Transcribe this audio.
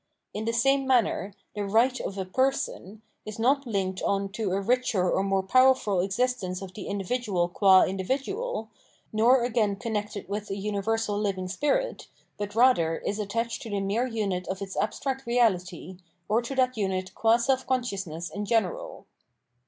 In the same manner, the " right " of a " person " is not linked on to a richer or more powerful existence of the individual qua individual, nor again connected with a universal living spirit, but, rather, is attached to the mere unit of its abstract reality, or to that unit qua self conscious aess in general.